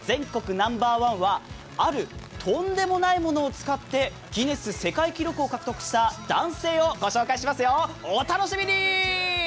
ナンバーワンはある、とんでもないものを使ってギネス世界記録を獲得した男性を御紹介しますよ、お楽しみに！